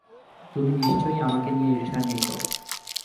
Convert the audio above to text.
তুমি নিশ্চয়ই আমাকে নিয়ে ঈর্ষান্বিত।